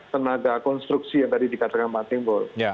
tenaga konstruksi yang tadi dikatakan pak timbul